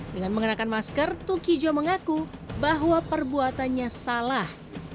dengan mengenakan masker tukijo mengaku bahwa perbuatannya salah